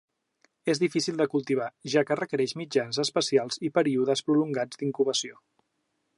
És difícil de cultivar, ja que requereix mitjans especials i períodes prolongats d'incubació.